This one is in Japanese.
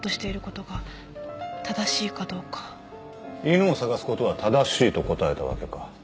犬を捜すことは正しいと答えたわけか。